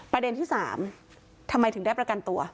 ประเด็นที่๓ทำไมถึงได้ประกันตัว